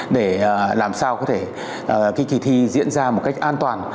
để làm sao có thể cái kỳ thi diễn ra một cách an toàn